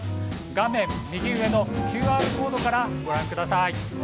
画面右上のＱＲコードからご覧ください。